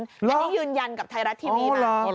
อันนี้ยืนยันกับไทยรัฐทีวีนะ